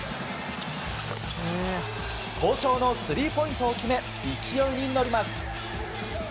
好調のスリーポイントを決め勢いに乗ります。